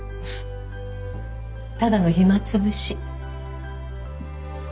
ただの暇つぶし。